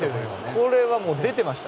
これはもう出てました。